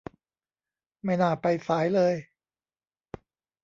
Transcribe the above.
ไม่น่าไปสายเลย